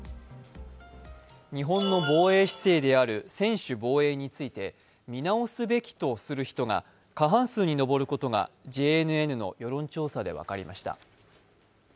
日本の防衛姿勢である専守防衛について、見直すべきとする人が過半数に上ることがＪＮＮの世論調査で分かりました。